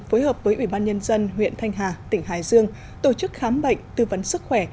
phối hợp với ủy ban nhân dân huyện thanh hà tỉnh hải dương tổ chức khám bệnh tư vấn sức khỏe